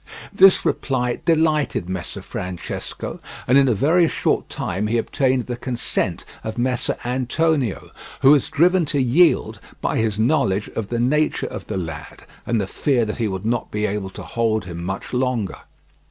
This reply delighted Messer Francesco, and in a very short time he obtained the consent of Messer Antonio, who was driven to yield by his knowledge of the nature of the lad, and the fear that he would not be able to hold him much longer.